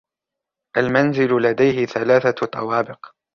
المنزل لديهِ ثلاثة طوابق.